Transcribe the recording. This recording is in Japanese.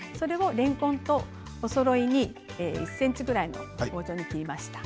れんこんとおそろいに１ｃｍぐらいの棒状に切りました。